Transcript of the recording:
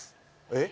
えっ？